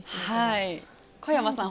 小山さん